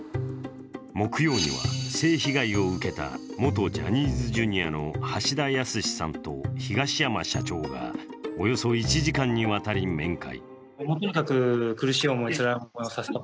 木曜には性被害を受けた元ジャニーズＪｒ．の橋田康さんと東山社長がおよそ１時間にわたり面会。